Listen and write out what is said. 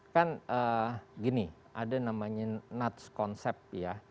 kan gini ada namanya nots concept ya